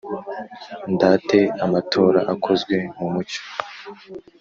ndate amatora akozwe mu mucyo,